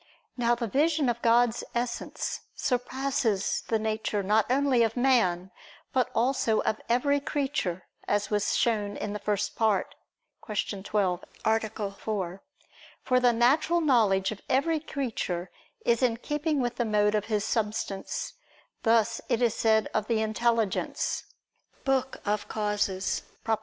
Now the vision of God's Essence surpasses the nature not only of man, but also of every creature, as was shown in the First Part (Q. 12, A. 4). For the natural knowledge of every creature is in keeping with the mode of his substance: thus it is said of the intelligence (De Causis; Prop.